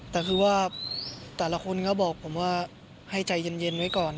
แต่คือว่าแต่ละคนก็บอกผมว่าให้ใจเย็นไว้ก่อน